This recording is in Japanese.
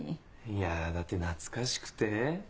いやだって懐かしくて。